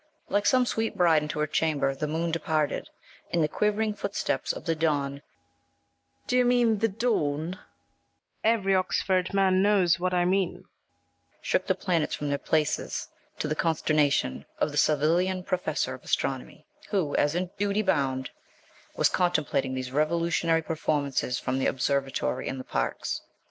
Like some sweet bride into her chamber the moon departed, and the quivering footsteps of the Don shook the planets from their places, to the consternation of the Savilian Professor of Astronomy, who, as in duty bound, was contemplating these revolutionary performances from the observatory in the Parks.